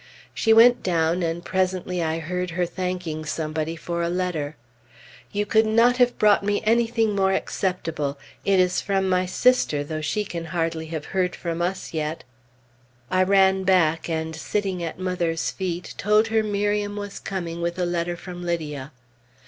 She went down, and presently I heard her thanking somebody for a letter. "You could not have brought me anything more acceptable! It is from my sister, though she can hardly have heard from us yet!" I ran back, and sitting at mother's feet, told her Miriam was coming with a letter from Lydia.